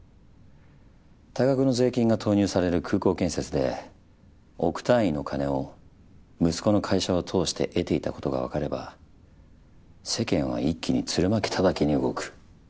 多額の税金が投入される空港建設で億単位の金を息子の会社を通して得ていたことがわかれば世間は一気に鶴巻たたきに動く。